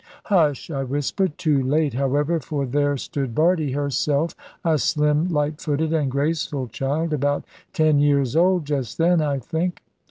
"Hush!" I whispered; too late, however, for there stood Bardie herself, a slim, light footed, and graceful child, about ten years old just then, I think.